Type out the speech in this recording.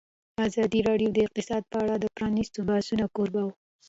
ازادي راډیو د اقتصاد په اړه د پرانیستو بحثونو کوربه وه.